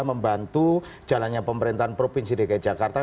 membantu jalannya pemerintahan provinsi dki jakarta